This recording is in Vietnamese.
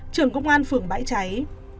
trưởng công an phường bãi cháy